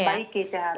iya sampai diperbaiki